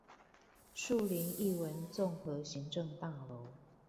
樹林藝文綜合行政大樓